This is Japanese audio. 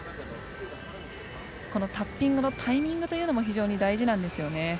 このタッピングのタイミングも非常に大事なんですよね。